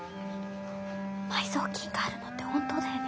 埋蔵金があるのって本当だよね？